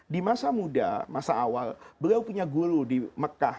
di masa muda masa awal beliau punya guru di mekah